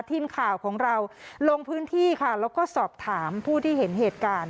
ทีมข่าวของเราลงพื้นที่ค่ะแล้วก็สอบถามผู้ที่เห็นเหตุการณ์